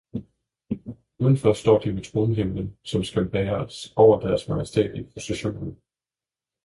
Udenfor står de med tronhimlen, som skal bæres over Deres Majestæt i processionen!